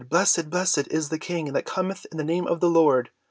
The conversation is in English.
Blessed—Blessed is the King that cometh in the name of the Lord!